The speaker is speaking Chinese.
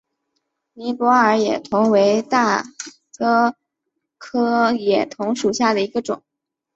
尼泊尔野桐为大戟科野桐属下的一个种。